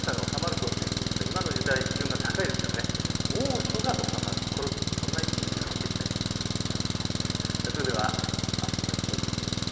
暑さが収まるころという意味ですが今の時代、気温が高いですから猛暑が収まるころというそんな意味に変わってきたような気がします。